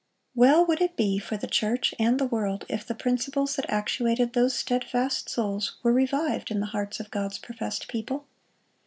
Well would it be for the church and the world if the principles that actuated those steadfast souls were revived in the hearts of God's professed people.